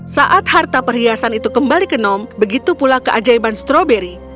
saat harta perhiasan itu kembali ke nom begitu pula keajaiban stroberi